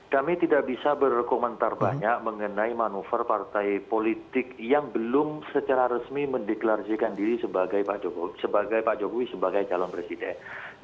kami tidak bisa berkomentar banyak mengenai manuver partai politik yang belum secara resmi mendeklarasikan diri sebagai pak jokowi sebagai calon presiden